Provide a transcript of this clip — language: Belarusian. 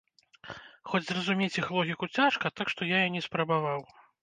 Хоць зразумець іх логіку цяжка, так што я і не спрабаваў.